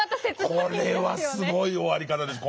これはすごい終わり方です。